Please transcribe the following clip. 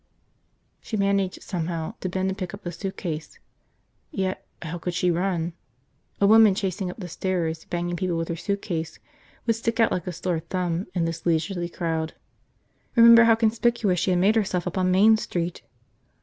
... She managed, somehow, to bend and pick up the suitcase. Yet how could she run? A woman chasing up the stairs, banging people with her suitcase, would stick out like a sore thumb in this leisurely crowd. Remember how conspicuous she had made herself up on Main Street!